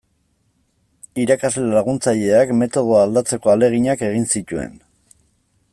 Irakasle laguntzaileak metodoa aldatzeko ahaleginak egin zituen.